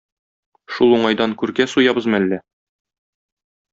Шул уңайдан күркә суябызмы әллә?